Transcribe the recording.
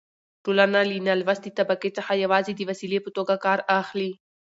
ټولنه له نالوستې طبقې څخه يوازې د وسيلې په توګه کار اخلي.